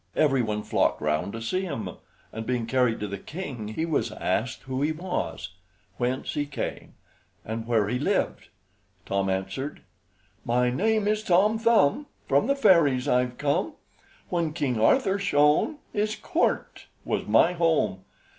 Every one flocked round to see him, and being carried to the King, he was asked who he was whence he came and where he lived? Tom answered: "My name is Tom Thumb, From the fairies I've come. When King Arthur shone, His Court was my home.